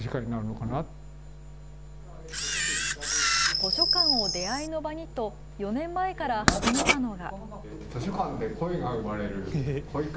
図書館を出会いの場にと４年前から始めたのが。